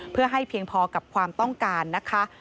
เพื่อให้เพียงพอกับความต้องการนะคะ